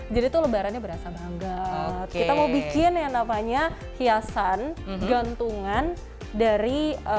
jadi tuh lebarannya berasa banget kita mau bikin yang namanya hiasan gantungan dari